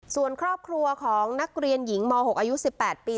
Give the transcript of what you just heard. ส่วนครอบครัวของนักเรียนหญิงม๖อายุ๑๘ปี